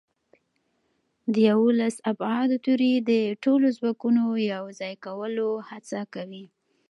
د یوولس ابعادو تیوري د ټولو ځواکونو یوځای کولو هڅه کوي.